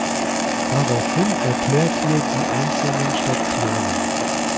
Daraufhin erklärt ihr die einzelnen Stationen.